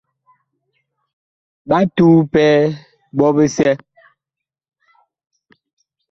Ɓa tuu pɛɛ ɓɔ bisɛ.